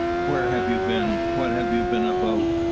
"Where have you been? What have you been about?